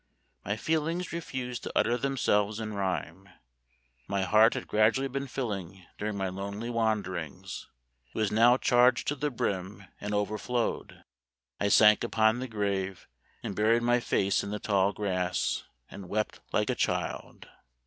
My feelings refused to utter themselves in rhyme. My heart had gradually been filling during my lonely wander ings ; it was now charged to the brim and over flowed. I sank upon the grave, and buried my face in the tall grass, and wept like a child.